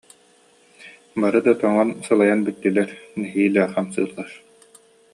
Бары да тоҥон, сылайан бүттүлэр, нэһиилэ хамсыыллар